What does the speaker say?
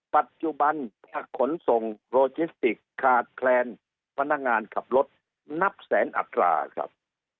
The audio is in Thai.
ปัจจุบันผ้าขนส่งคารแคลนต์พนักงานขับรถนับแสนัตราครับ